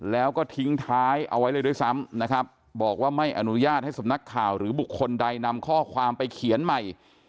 แล้วก็ทิ้งท้ายเอาไว้เลยด้วยซ้ำนะครับบอกว่าไม่อนุญาตให้สำนักข่าวหรือบุคคลใดนำข้อความไปเขียนใหม่